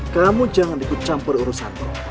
kamu jangan ikut campur urusanmu